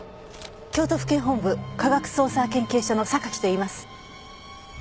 京都府警本部科学捜査研究所の榊といいます。